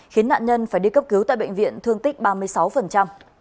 khiến nạn nhân phải đi cấp cứu tại bệnh viện thương tích ba mươi sáu